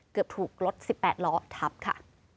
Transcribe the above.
เกือบถูกรถ๑๘ล้อทับค่ะ